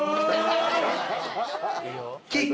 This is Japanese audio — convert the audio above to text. キック。